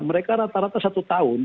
mereka rata rata satu tahun